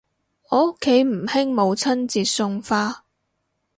我屋企唔興母親節送花